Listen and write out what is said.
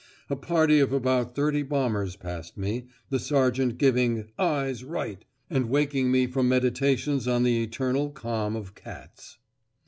A party of about thirty bombers passed me, the sergeant giving "eyes right" and waking me from meditations on the eternal calm of cats.